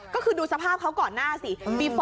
ก็คือดูสภาพเขาก่อนหน้าสิ